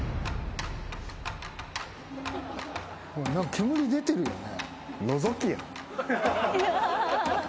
煙出てるよね。